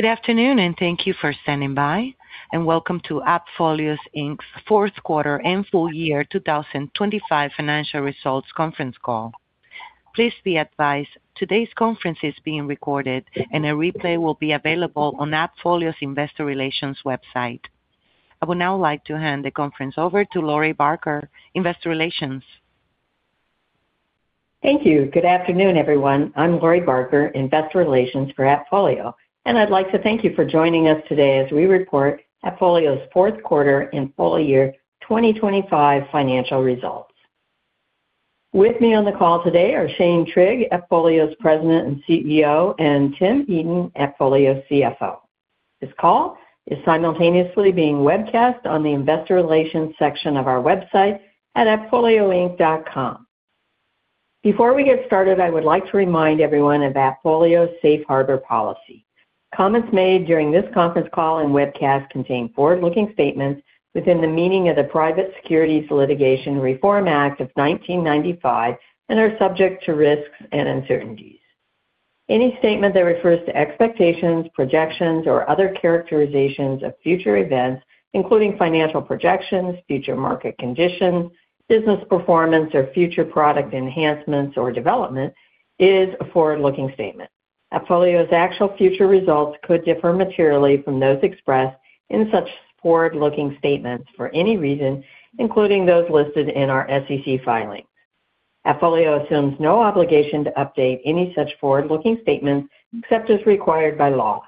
Good afternoon, and thank you for standing by, and welcome to AppFolio, Inc.'s fourth quarter and full year 2025 financial results conference call. Please be advised, today's conference is being recorded, and a replay will be available on AppFolio's Investor Relations website. I would now like to hand the conference over to Lori Barker, Investor Relations. Thank you. Good afternoon, everyone. I'm Lori Barker, Investor Relations for AppFolio, and I'd like to thank you for joining us today as we report AppFolio's fourth quarter and full year 2025 financial results. With me on the call today are Shane Trigg, AppFolio's President and CEO, and Tim Eaton, AppFolio CFO. This call is simultaneously being webcast on the Investor Relations section of our website at appfolioinc.com. Before we get started, I would like to remind everyone of AppFolio's Safe Harbor policy. Comments made during this conference call and webcast contain forward-looking statements within the meaning of the Private Securities Litigation Reform Act of 1995 and are subject to risks and uncertainties. Any statement that refers to expectations, projections, or other characterizations of future events, including financial projections, future market conditions, business performance, or future product enhancements or development, is a forward-looking statement. AppFolio's actual future results could differ materially from those expressed in such forward-looking statements for any reason, including those listed in our SEC filings. AppFolio assumes no obligation to update any such forward-looking statements except as required by law.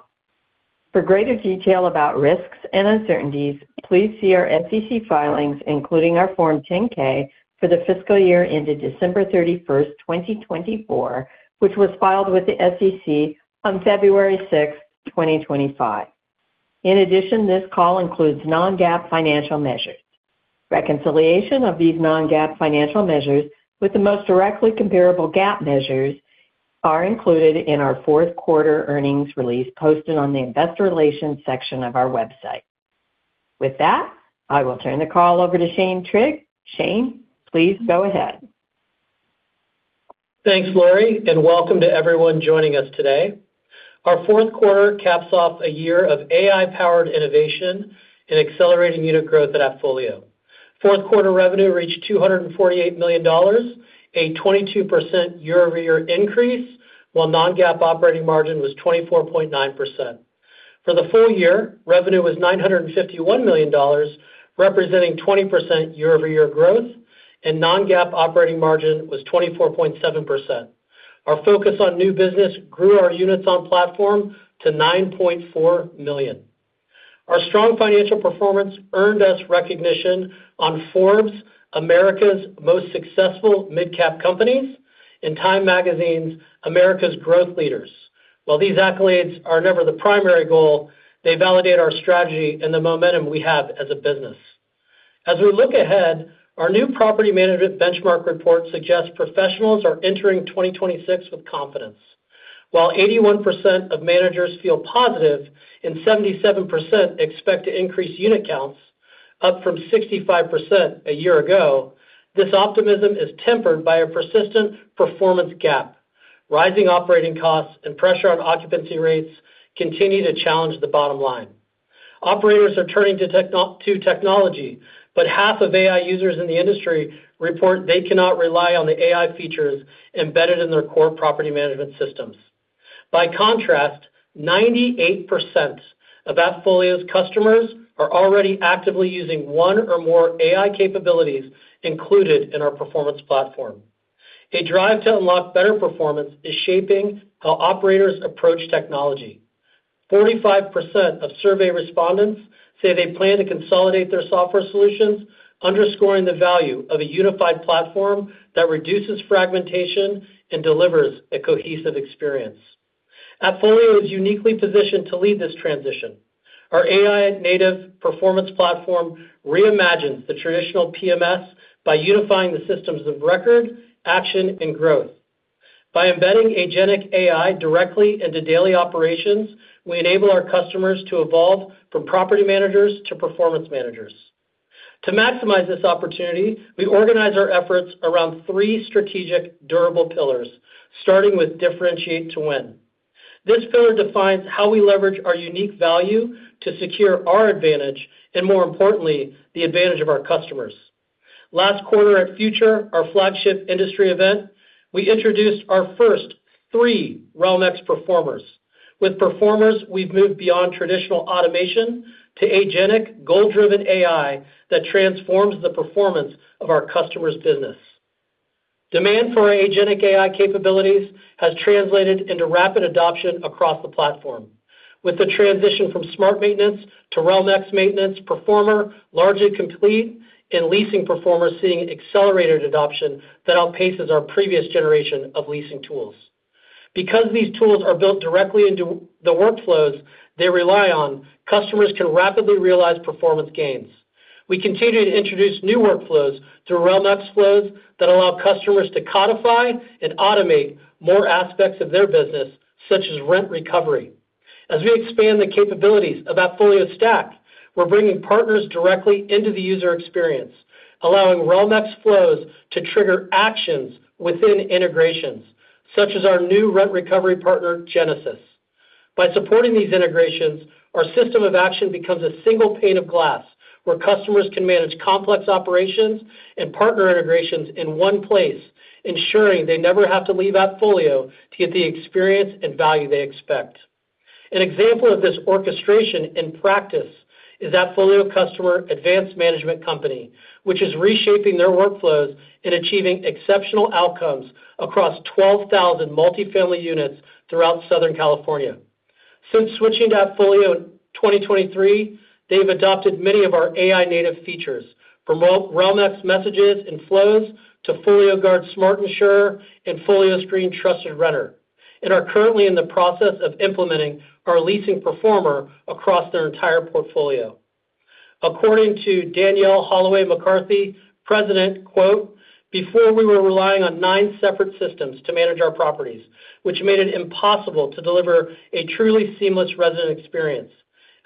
For greater detail about risks and uncertainties, please see our SEC filings, including our Form 10-K for the fiscal year ended December 31, 2024, which was filed with the SEC on February 6, 2025. In addition, this call includes non-GAAP financial measures. Reconciliation of these non-GAAP financial measures with the most directly comparable GAAP measures are included in our fourth quarter earnings release posted on the Investor Relations section of our website. With that, I will turn the call over to Shane Trigg. Shane, please go ahead. Thanks, Lori, and welcome to everyone joining us today. Our fourth quarter caps off a year of AI-powered innovation and accelerating unit growth at AppFolio. Fourth quarter revenue reached $248 million, a 22% year-over-year increase, while non-GAAP operating margin was 24.9%. For the full-year, revenue was $951 million, representing 20% year-over-year growth, and non-GAAP operating margin was 24.7%. Our focus on new business grew our units on platform to 9.4 million. Our strong financial performance earned us recognition on Forbes' America's Most Successful Mid-Cap Companies and Time Magazine's America's Growth Leaders. While these accolades are never the primary goal, they validate our strategy and the momentum we have as a business. As we look ahead, our new property management benchmark report suggests professionals are entering 2026 with confidence. While 81% of managers feel positive and 77% expect to increase unit counts, up from 65% a year ago, this optimism is tempered by a persistent performance gap. Rising operating costs and pressure on occupancy rates continue to challenge the bottom line. Operators are turning to technology, but half of AI users in the industry report they cannot rely on the AI features embedded in their core property management systems. By contrast, 98% of AppFolio's customers are already actively using one or more AI capabilities included in our performance platform. A drive to unlock better performance is shaping how operators approach technology. 45% of survey respondents say they plan to consolidate their software solutions, underscoring the value of a unified platform that reduces fragmentation and delivers a cohesive experience. AppFolio is uniquely positioned to lead this transition. Our AI-native performance platform reimagines the traditional PMS by unifying the systems of record, action, and growth. By embedding agentic AI directly into daily operations, we enable our customers to evolve from property managers to performance managers. To maximize this opportunity, we organize our efforts around three strategic, durable pillars, starting with Differentiate to Win. This pillar defines how we leverage our unique value to secure our advantage and, more importantly, the advantage of our customers. Last quarter at Future, our flagship industry event, we introduced our first three Realm-X Performers. With Performers, we've moved beyond traditional automation to agentic, goal-driven AI that transforms the performance of our customers' business. Demand for our agentic AI capabilities has translated into rapid adoption across the platform. With the transition from Smart Maintenance to Realm-X Maintenance Performer largely complete and leasing performers seeing accelerated adoption that outpaces our previous generation of leasing tools. Because these tools are built directly into the workflows they rely on, customers can rapidly realize performance gains. We continue to introduce new workflows through Realm-X Flows that allow customers to codify and automate more aspects of their business, such as rent recovery. As we expand the capabilities of AppFolio's Stack... We're bringing partners directly into the user experience, allowing Realm-X Flows to trigger actions within integrations, such as our new rent recovery partner, Genesis. By supporting these integrations, our system of action becomes a single pane of glass, where customers can manage complex operations and partner integrations in one place, ensuring they never have to leave AppFolio to get the experience and value they expect. An example of this orchestration in practice is AppFolio customer Advanced Management Company, which is reshaping their workflows and achieving exceptional outcomes across 12,000 multifamily units throughout Southern California. Since switching to AppFolio in 2023, they've adopted many of our AI-native features, from Realm-X Messages and Realm-X Flows to FolioGuard Smart Insure and FolioScreen Trusted Renter, and are currently in the process of implementing our Realm-X Leasing Performer across their entire portfolio. According to Danielle Holloway McCarthy, President, quote, "Before, we were relying on nine separate systems to manage our properties, which made it impossible to deliver a truly seamless resident experience.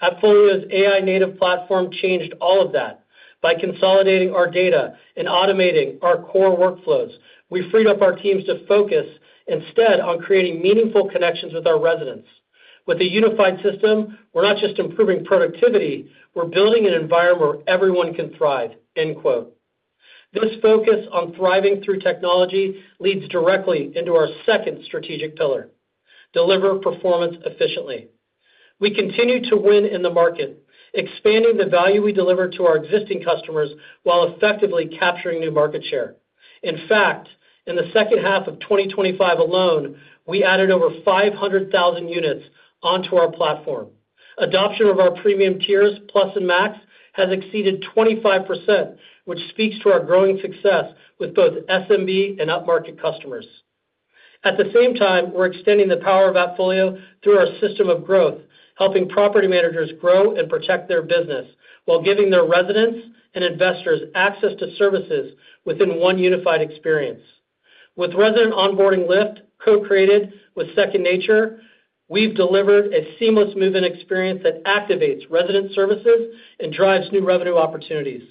AppFolio's AI-native platform changed all of that. By consolidating our data and automating our core workflows, we freed up our teams to focus instead on creating meaningful connections with our residents. With a unified system, we're not just improving productivity, we're building an environment where everyone can thrive," end quote. This focus on thriving through technology leads directly into our second strategic pillar, Deliver Performance Efficiently. We continue to win in the market, expanding the value we deliver to our existing customers while effectively capturing new market share. In fact, in the second half of 2025 alone, we added over 500,000 units onto our platform. Adoption of our premium tiers, Plus and Max, has exceeded 25%, which speaks to our growing success with both SMB and upmarket customers. At the same time, we're extending the power of AppFolio through our system of growth, helping property managers grow and protect their business, while giving their residents and investors access to services within one unified experience. With Resident Onboarding Lift, co-created with Second Nature, we've delivered a seamless move-in experience that activates resident services and drives new revenue opportunities.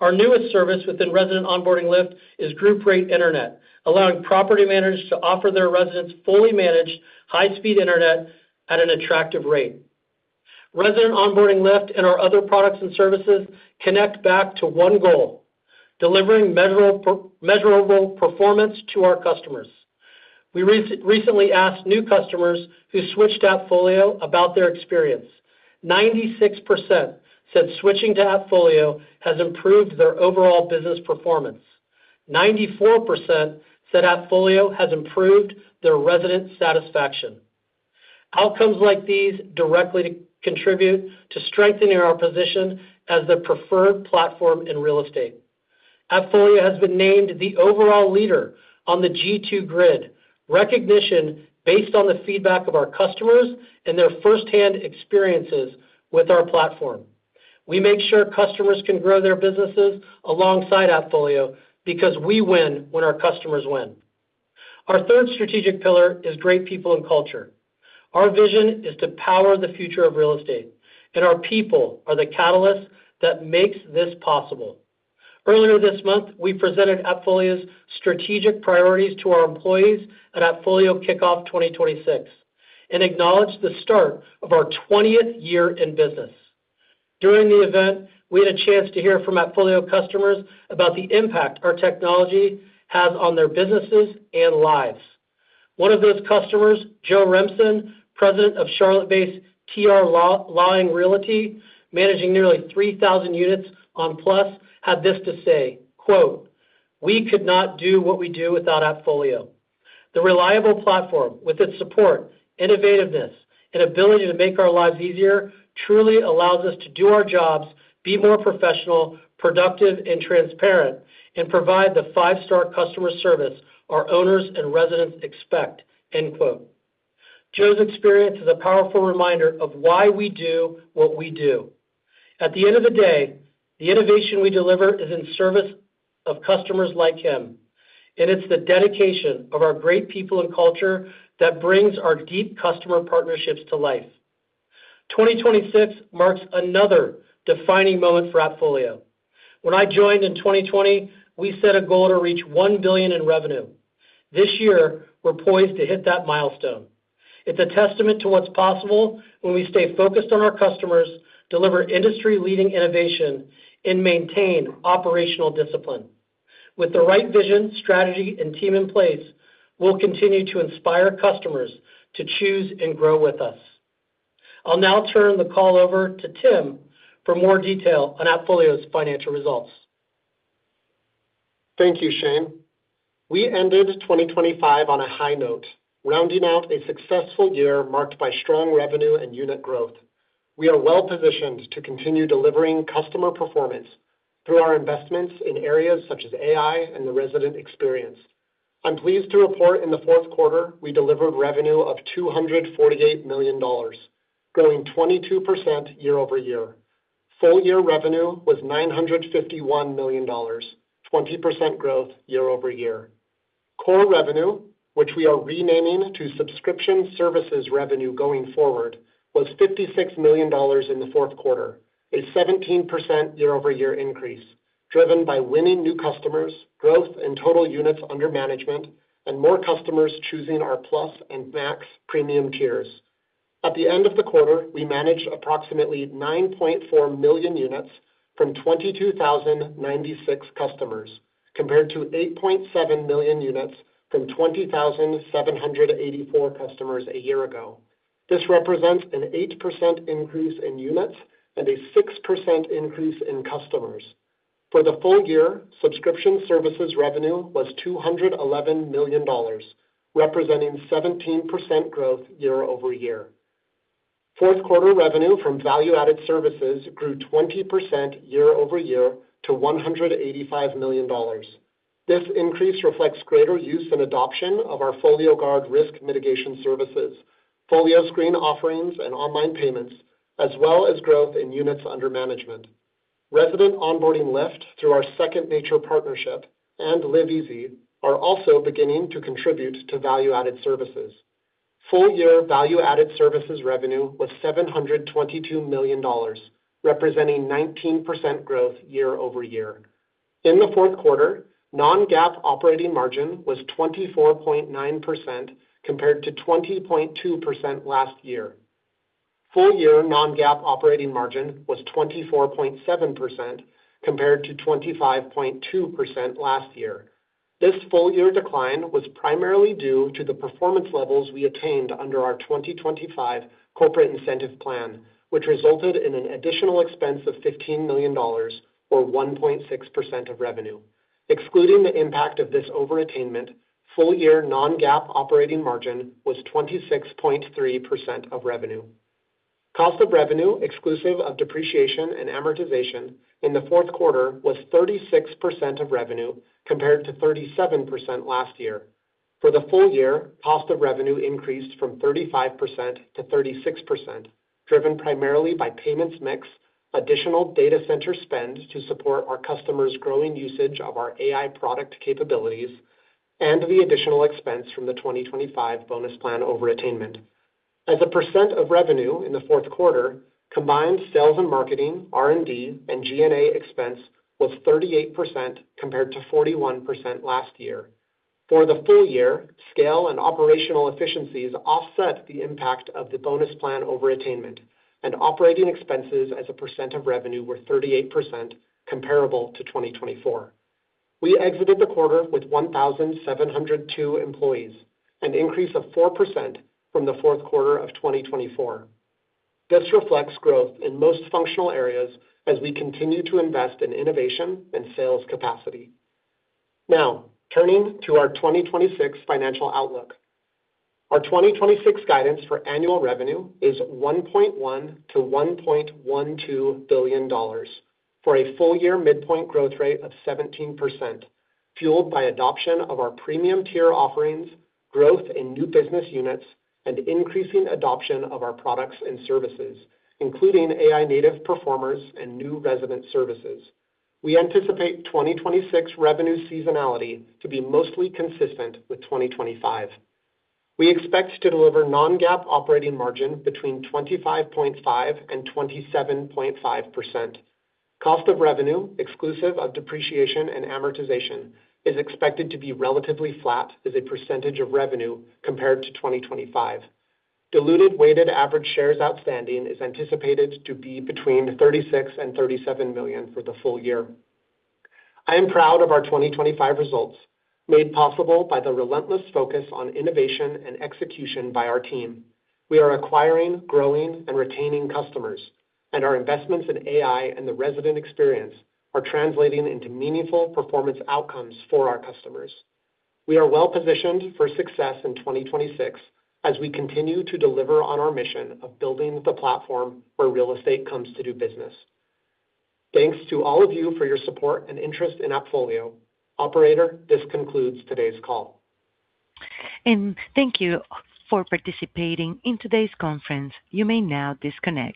Our newest service within Resident Onboarding Lift is Group Rate Internet, allowing property managers to offer their residents fully managed, high-speed internet at an attractive rate. Resident Onboarding Lift and our other products and services connect back to one goal, delivering measurable performance to our customers. We recently asked new customers who switched to AppFolio about their experience. 96% said switching to AppFolio has improved their overall business performance. 94% said AppFolio has improved their resident satisfaction. Outcomes like these directly contribute to strengthening our position as the preferred platform in real estate. AppFolio has been named the overall leader on the G2 Grid, recognition based on the feedback of our customers and their first-hand experiences with our platform. We make sure customers can grow their businesses alongside AppFolio because we win when our customers win. Our third strategic pillar is Great People and Culture. Our vision is to power the future of real estate, and our people are the catalyst that makes this possible. Earlier this month, we presented AppFolio's strategic priorities to our employees at AppFolio Kickoff 2026 and acknowledged the start of our 20th year in business. During the event, we had a chance to hear from AppFolio customers about the impact our technology has on their businesses and lives. One of those customers, Joe Remsen, President of Charlotte-based T.R. Lawing Realty, managing nearly 3,000 units on Plus, had this to say, quote, "We could not do what we do without AppFolio. The reliable platform, with its support, innovativeness, and ability to make our lives easier, truly allows us to do our jobs, be more professional, productive, and transparent, and provide the five-star customer service our owners and residents expect," end quote. Joe's experience is a powerful reminder of why we do what we do. At the end of the day, the innovation we deliver is in service of customers like him, and it's the dedication of our great people and culture that brings our deep customer partnerships to life. 2026 marks another defining moment for AppFolio. When I joined in 2020, we set a goal to reach $1 billion in revenue. This year, we're poised to hit that milestone. It's a testament to what's possible when we stay focused on our customers, deliver industry-leading innovation, and maintain operational discipline. With the right vision, strategy, and team in place, we'll continue to inspire customers to choose and grow with us. I'll now turn the call over to Tim for more detail on AppFolio's financial results. Thank you, Shane. We ended 2025 on a high note, rounding out a successful year marked by strong revenue and unit growth. We are well-positioned to continue delivering customer performance through our investments in areas such as AI and the resident experience. I'm pleased to report in the fourth quarter, we delivered revenue of $248 million, growing 22% year-over-year. Full-year revenue was $951 million, 20% growth year-over-year. Core revenue, which we are renaming to subscription services revenue going forward, was $56 million in the fourth quarter, a 17% year-over-year increase, driven by winning new customers, growth in total units under management, and more customers choosing our plus and max premium tiers. At the end of the quarter, we managed approximately 9.4 million units from 22,096 customers, compared to 8.7 million units from 20,784 customers a year ago. This represents an 8% increase in units and a 6% increase in customers. For the full year, subscription services revenue was $211 million, representing 17% growth year-over-year. Fourth quarter revenue from value-added services grew 20% year-over-year to $185 million. This increase reflects greater use and adoption of our FolioGuard risk mitigation services, FolioScreen offerings, and online payments, as well as growth in units under management. Resident Onboarding Lift, through our Second Nature partnership, and LiveEasy are also beginning to contribute to value-added services. Full year value-added services revenue was $722 million, representing 19% growth year-over-year. In the fourth quarter, non-GAAP operating margin was 24.9%, compared to 20.2% last year. Full year non-GAAP operating margin was 24.7%, compared to 25.2% last year. This full year decline was primarily due to the performance levels we attained under our 2025 corporate incentive plan, which resulted in an additional expense of $15 million, or 1.6% of revenue. Excluding the impact of this over-attainment, full year non-GAAP operating margin was 26.3% of revenue. Cost of revenue, exclusive of depreciation and amortization in the fourth quarter, was 36% of revenue, compared to 37% last year. For the full year, cost of revenue increased from 35% to 36%, driven primarily by payments mix, additional data center spend to support our customers' growing usage of our AI product capabilities, and the additional expense from the 2025 bonus plan over-attainment. As a percent of revenue in the fourth quarter, combined sales and marketing, R&D, and G&A expense was 38%, compared to 41% last year. For the full year, scale and operational efficiencies offset the impact of the bonus plan over-attainment, and operating expenses as a percent of revenue were 38% comparable to 2024. We exited the quarter with 1,702 employees, an increase of 4% from the fourth quarter of 2024. This reflects growth in most functional areas as we continue to invest in innovation and sales capacity. Now, turning to our 2026 financial outlook. Our 2026 guidance for annual revenue is $1.1 billion-$1.12 billion, for a full year midpoint growth rate of 17%, fueled by adoption of our premium tier offerings, growth in new business units, and increasing adoption of our products and services, including AI native performers and new resident services. We anticipate 2026 revenue seasonality to be mostly consistent with 2025. We expect to deliver non-GAAP operating margin between 25.5% and 27.5%. Cost of revenue, exclusive of depreciation and amortization, is expected to be relatively flat as a percentage of revenue compared to 2025. Diluted weighted average shares outstanding is anticipated to be between 36 and 37 million for the full year. I am proud of our 2025 results, made possible by the relentless focus on innovation and execution by our team. We are acquiring, growing, and retaining customers, and our investments in AI and the resident experience are translating into meaningful performance outcomes for our customers. We are well positioned for success in 2026 as we continue to deliver on our mission of building the platform where real estate comes to do business. Thanks to all of you for your support and interest in AppFolio. Operator, this concludes today's call. Thank you for participating in today's conference. You may now disconnect.